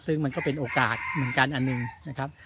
ซึ่งมันก็เป็นโอกาสเหมือนกันอันหนึ่งนะครับ